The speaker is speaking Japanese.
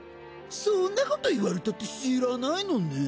そんなこと言われたって知らないのねん。